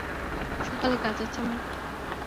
সকালে কাজ আছে আমার।